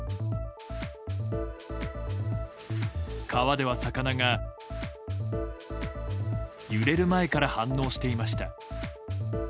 川では魚が揺れる前から反応していました。